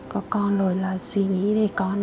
có con rồi là suy nghĩ về con nhiều hơn